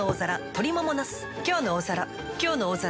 「きょうの大皿」